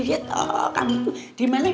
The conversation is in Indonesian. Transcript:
lho kamu tuh di mana